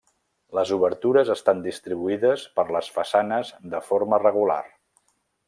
Les obertures estan distribuïdes per les façanes de forma regular.